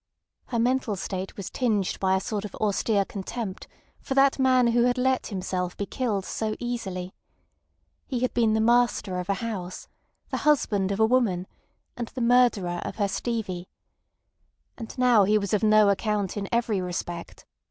Her mental state was tinged by a sort of austere contempt for that man who had let himself be killed so easily. He had been the master of a house, the husband of a woman, and the murderer of her Stevie. And now he was of no account in every respect.